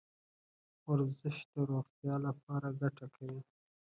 ورزش د روغتیا لپاره ګټه کوي .